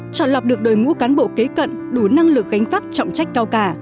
chọn lọc được đội ngũ cán bộ kế cận đủ năng lực gánh pháp trọng trách cao cả